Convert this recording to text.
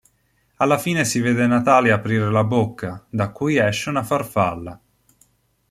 Alla fine si vede Natalia aprire la bocca, da cui esce una farfalla.